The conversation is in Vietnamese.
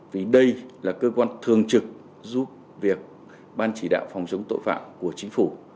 vì đây là cơ quan thường trực giúp việc ban chỉ đạo phòng chống tội phạm của chính phủ